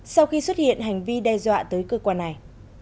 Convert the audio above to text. sau khi xuất hiện hành vi đe dọa tới cơ quan này